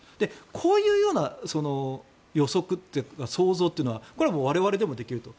こういう予測というか想像というのはこれはもう我々でもできると。